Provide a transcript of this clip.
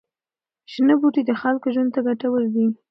شنه بوټي د خلکو ژوند ته ګټور دي.